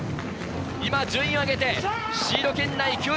順位を上げてシード圏内９位。